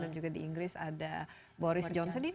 dan juga di inggris ada boris johnson